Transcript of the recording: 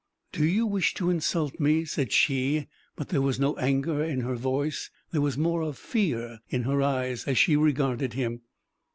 "Do you wish to insult me?" said she; but there was no anger in her voice: there was more of fear in her eyes as she regarded him.